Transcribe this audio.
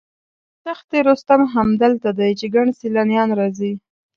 تخت رستم هم دلته دی چې ګڼ سیلانیان راځي.